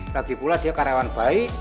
lagi pula dia karyawan baik